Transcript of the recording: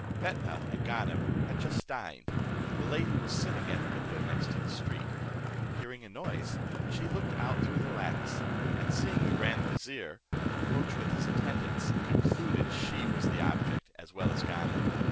Fetnah and Ganem had just dined: the lady was sitting at a window next the street; hearing a noise, she looked out through the lattice, and seeing the grand vizier, approach with his attendants, concluded she was their object as well as Ganem.